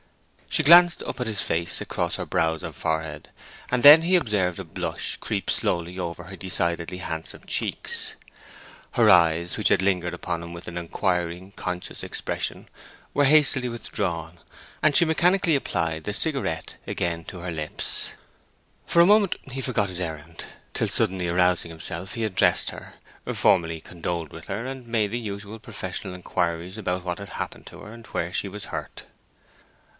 She glanced up at his face across her brows and forehead, and then he observed a blush creep slowly over her decidedly handsome cheeks. Her eyes, which had lingered upon him with an inquiring, conscious expression, were hastily withdrawn, and she mechanically applied the cigarette again to her lips. For a moment he forgot his errand, till suddenly arousing himself he addressed her, formally condoled with her, and made the usual professional inquiries about what had happened to her, and where she was hurt.